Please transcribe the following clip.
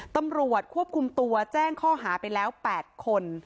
ตำรวจควบคุมตัวแจ้งข้อหาไปแล้ว๘คน